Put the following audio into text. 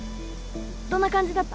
どんな感じだった？